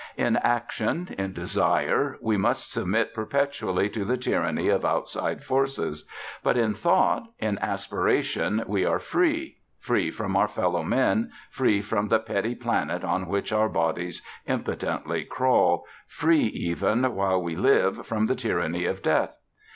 In action, in desire, we must submit perpetually to the tyranny of outside forces; but in thought, in aspiration, we are free, free from our fellow men, free from the petty planet on which our bodies impotently crawl, free even, while we live, from the tyranny of death.